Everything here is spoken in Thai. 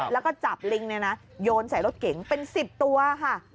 แล้วก็จับลิงเนี่ยนะโยนใส่รถเก๋งเป็น๑๐ตัวค่ะ